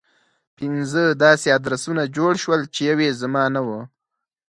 پنځه داسې ادرسونه جوړ شول چې يو يې زما نه و.